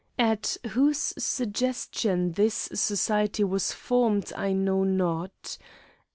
At whose suggestion this society was formed I know not.